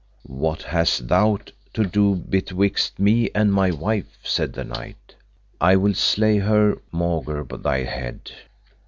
What hast thou to do betwixt me and my wife? said the knight. I will slay her maugre thy head.